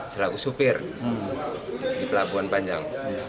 selaku supir di pelabuhan panjang